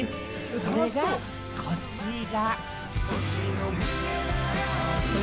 それがこちら。